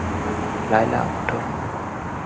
তাকে আপনি বলবেন?